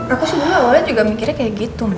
aku sebelumnya awalnya juga mikirnya kayak gitu ma